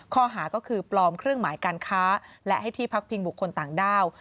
ข้อหาก็คือปลอมเครื่องหมายการค้าและให้ที่พักพิงบุคคลต่างด้าว